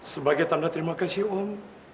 sebagai tanda terima kasih om